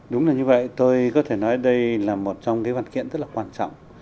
đúng là như vậy tôi có thể nói đây là một trong cái văn kiện rất là quan trọng